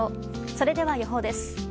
それでは予報です。